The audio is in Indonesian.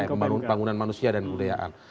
pembangunan manusia dan kuliaan